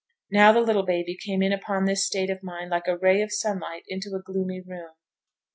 Now the little baby came in upon this state of mind like a ray of sunlight into a gloomy room.